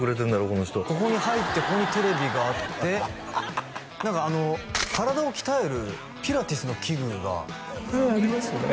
この人ここに入ってここにテレビがあって何か体を鍛えるピラティスの機具がはいありますね